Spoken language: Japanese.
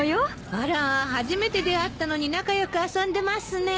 あら初めて出会ったのに仲良く遊んでますね。